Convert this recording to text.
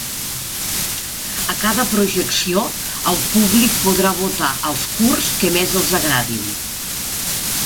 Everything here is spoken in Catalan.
A cada projecció, el públic podrà votar els curts que més els agradin.